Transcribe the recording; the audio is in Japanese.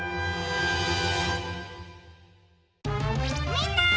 みんな！